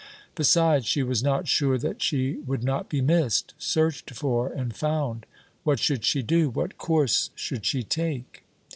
Besides, she was not sure that she would not be missed, searched for and found. What should she do, what course should she take?